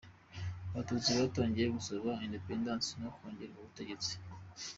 Abatutsi batangiye gusaba independansi no kongererwa ubutegetsi